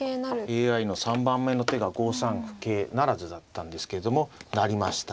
ＡＩの３番目の手が５三桂不成だったんですけども成りました。